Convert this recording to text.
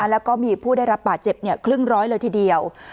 แล้วก็มีผู้ได้รับบาดเจ็บ๕๐๐เลยทีเดียว